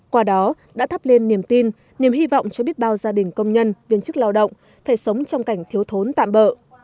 qua đó đã thắp lên niềm tin niềm hy vọng cho biết bao gia đình công nhân viên chức lao động phải sống trong cảnh thiếu thốn tạm bỡ